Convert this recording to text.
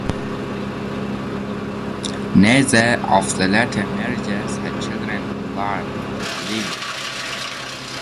Neither of the later marriages had children who lived.